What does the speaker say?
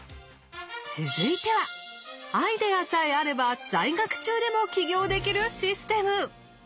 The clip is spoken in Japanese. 続いてはアイデアさえあれば在学中でも起業できるシステム。